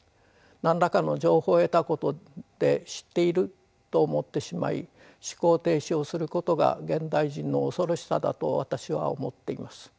何らかの情報を得たことで知っていると思ってしまい思考停止をすることが現代人の恐ろしさだと私は思っています。